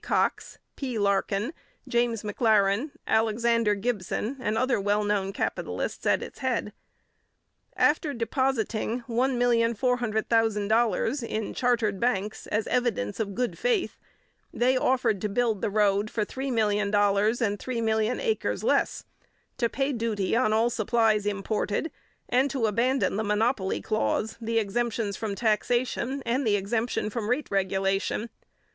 Cox, P. Larkin, James M'Laren, Alexander Gibson, and other well known capitalists at its head. After depositing $1,400,000 in chartered banks as evidence of good faith, they offered to build the road for $3,000,000 and 3,000,000 acres less, to pay duty on all supplies imported, and to abandon the monopoly clause, the exemptions from taxation, and the exemption from rate regulation.